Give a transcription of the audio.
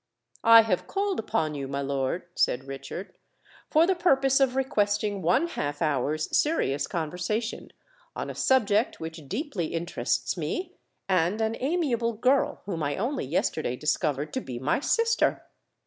"I have called upon you, my lord," said Richard, "for the purpose of requesting one half hour's serious conversation on a subject which deeply interests me and an amiable girl whom I only yesterday discovered to be my sister.